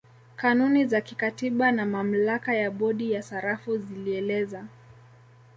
Kanuni za kikatiba na mamlaka ya bodi ya sarafu zilieleza